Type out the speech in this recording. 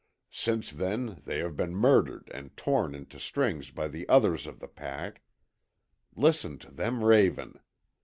Since then they been murdered and torn into strings by the others of the pack. Listen to them ravin'!